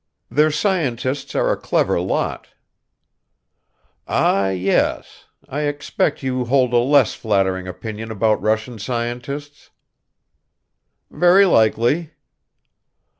"Their scientists are a clever lot." "Ah, yes. I expect you hold a less flattering opinion about Russian scientists." "Very likely."